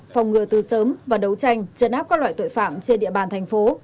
phòng ngừa từ sớm và đấu tranh chấn áp các loại tội phạm trên địa bàn thành phố